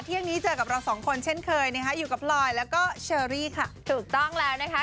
เที่ยงนี้เจอกับเราสองคนเช่นเคยนะคะอยู่กับพลอยแล้วก็เชอรี่ค่ะถูกต้องแล้วนะคะ